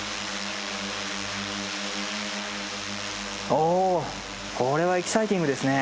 おおこれはエキサイティングですね。